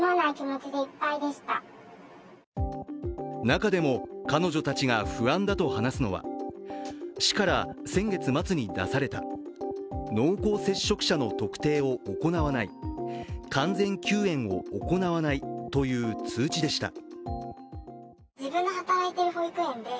中でも彼女たちが不安だと話すのは、市から先月末に出された濃厚接触者の特定を行わない完全休園を行わないという通知でした。